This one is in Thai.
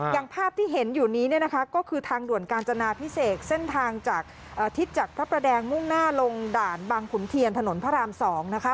อย่างภาพที่เห็นอยู่นี้เนี่ยนะคะก็คือทางด่วนกาญจนาพิเศษเส้นทางจากทิศจากพระประแดงมุ่งหน้าลงด่านบางขุนเทียนถนนพระราม๒นะคะ